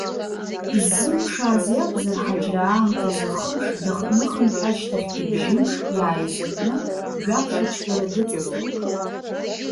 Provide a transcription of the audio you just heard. Иззымԥшааз иакәзар, Ҳаџьра аамҭазы хымш, даныхынҳәы ашьҭахьгьы бжьымш, иааизакны, жәамш ачгара дыҵазароуп.